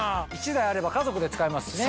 １台あれば家族で使えますしね。